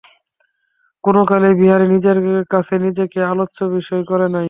কোনোকালেই বিহারী নিজের কাছে নিজেকে আলোচ্য বিষয় করে নাই।